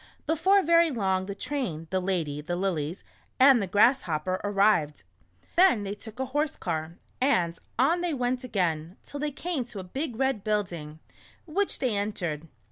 Before very long the train, the lady, the lilies, and the Grasshopper arrived. Then they took a horse car, and on they went again, till they came to a big red building, which they en tered.